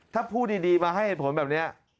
ถ้าพูดดีมาให้เหตุผลแบบนี้